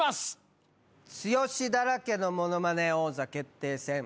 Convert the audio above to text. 「剛だらけのものまね王座決定戦」